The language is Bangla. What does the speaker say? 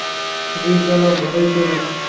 জ্বি জনাব, ভালোই চলে।